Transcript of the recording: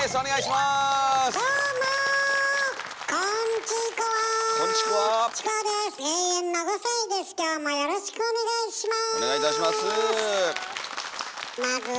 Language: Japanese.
まずはどうもよろしくお願いします。